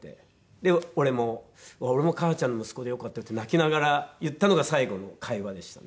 で俺も「俺も母ちゃんの息子でよかったよ」って泣きながら言ったのが最後の会話でしたね。